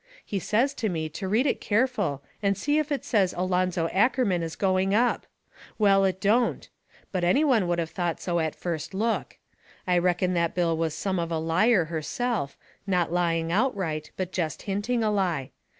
He says to me to read it careful and see if it says Alonzo Ackerman is going up. Well, it don't. But any one would of thought so the first look. I reckon that bill was some of a liar herself, not lying outright, but jest hinting a lie.